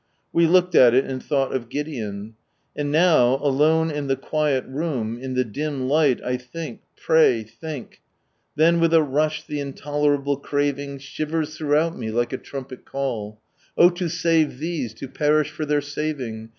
We looked at it and thought of Gideon, And now, alone in the quiet room, in the dim light, I think, pray, think— " ThiH aitk a rusk the inloUrabie {raving Siiwrs lAraughoul me like a trumpet call— Ok to rape thtseJ to perish for their saving!